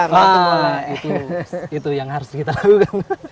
wah itu yang harus kita lakukan